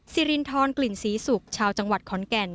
ซีรินทรกลิ่นสีสุกชาวจังหวัดแควงแก่น